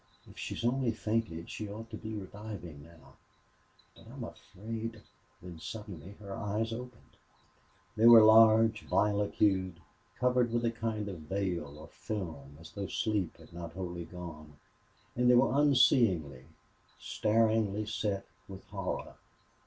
"If she's only fainted she ought to be reviving now. But I'm afraid " Then suddenly her eyes opened. They were large, violet hued, covered with a kind of veil or film, as though sleep had not wholly gone; and they were unseeingly, staringly set with horror.